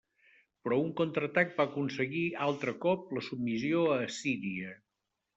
Però un contraatac va aconseguir altre cop la submissió a Assíria.